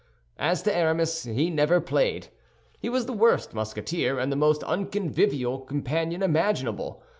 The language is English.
As to Aramis, he never played. He was the worst Musketeer and the most unconvivial companion imaginable.